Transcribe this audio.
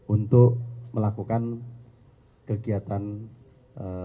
untuk melakukan kegiatan online